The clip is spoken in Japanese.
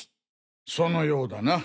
そのようだな。